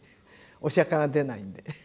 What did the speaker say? おしゃかが出ないんで。